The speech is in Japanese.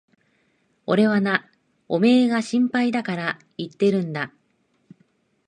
俺はな、おめえが心配だから言ってるんだ。